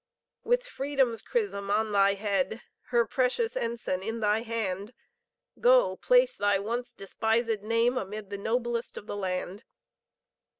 With freedom's chrism upon thy head, Her precious ensign in thy hand, Go place thy once despised name Amid the noblest of the land.